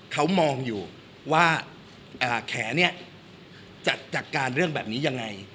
เขามองอยู่ว่าแขนเนี่ยจัดการเรื่องแบบนี้ยังไง